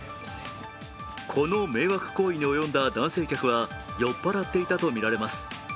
この迷惑行為に及んだ男性客は酔っ払っていたとみられます。